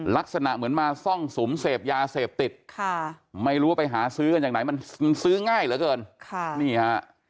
ลักษณะเหมือนมาซ่องสุมเสพยาเสพติดค่ะไม่รู้ว่าไปหาซื้อกันอย่างไหนมันซื้อง่ายเหลือเกินค่ะนี่ฮะ